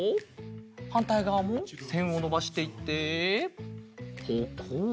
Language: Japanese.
はんたいがわもせんをのばしていってポコッ。